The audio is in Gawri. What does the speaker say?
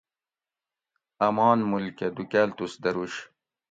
آمان مول کہ دو کالتوس دروش